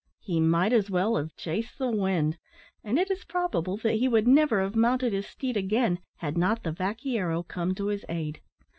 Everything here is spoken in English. He might as well have chased the wind; and it is probable that he would never have mounted his steed again had not the vaquero come to his aid.